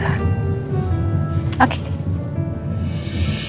yaudah kalau gitu